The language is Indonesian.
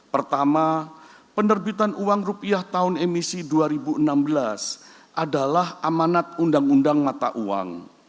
pertama penerbitan uang rupiah tahun emisi dua ribu enam belas adalah amanat undang undang mata uang